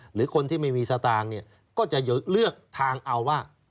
หรือคนที่ไม่มีสตางค์เนี่ยก็จะเลือกทางเอาว่า